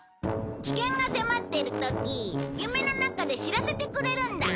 危険が迫っている時夢の中で知らせてくれるんだ。